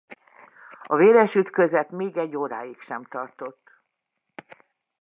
A véres ütközet még egy óráig sem tartott.